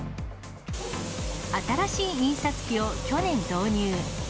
新しい印刷機を去年導入。